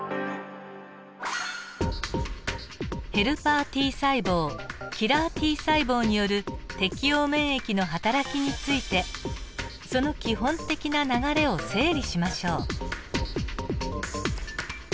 ヘルパーＴ細胞キラーＴ細胞による適応免疫のはたらきについてその基本的な流れを整理しましょう。